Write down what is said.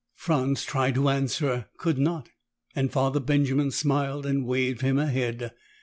Franz tried to answer, could not, and Father Benjamin smiled and waved him ahead.